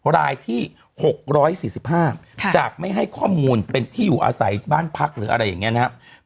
รายที่๖๔๕จากไม่ให้ข้อมูลเป็นที่อยู่อาศัยบ้านพักหรืออะไรอย่างนี้นะครับ